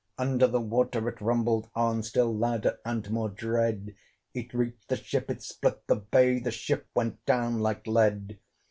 Under the water it rumbled on, Still louder and more dread: It reached the ship, it split the bay; The ship went down like lead.